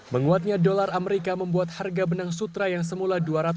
menguatnya dolar amerika membuat harga benang sutra yang sangat berharga